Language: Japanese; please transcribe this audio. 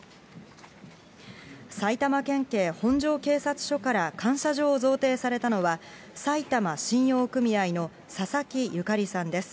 埼玉県警本庄警察署から感謝状を贈呈されたのは、埼玉信用組合の佐々木由香里さんです。